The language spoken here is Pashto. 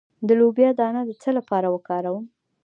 د لوبیا دانه د څه لپاره وکاروم؟